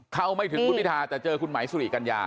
เข้าไม่ถึงคุณพิธาแต่เจอคุณไหมสุริกัญญา